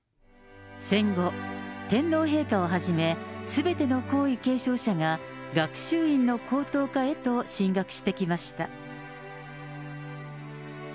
戦後、天皇陛下をはじめ、すべての皇位継承者が学習院の高等科へと進学してきました。